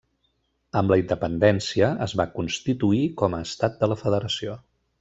Amb la independència es va constituir com a estat de la federació.